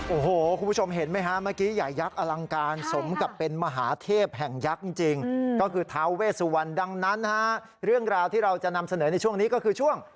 โอ้โหคุณผู้ชมเห็นไหมฮะเมื่อกี้ใหญ่ยักษ์อลังการสมกับเป็นมหาเทพแห่งยักษ์จริงก็คือท้าเวสวันดังนั้นนะฮะเรื่องราวที่เราจะนำเสนอในช่วงนี้ก็คือช่วง